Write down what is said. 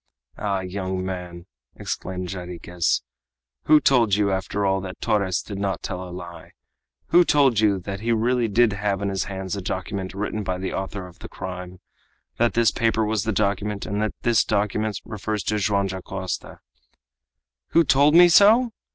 "Ah! young man!" exclaimed Jarriquez, "who told you, after all, that Torres did not tell a lie? Who told you that he really did have in his hands a document written by the author of the crime? that this paper was the document, and that this document refers to Joam Dacosta?" "Who told me so?"